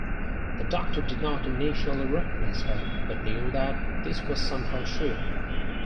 The Doctor did not initially recognise her, but knew that this was somehow true.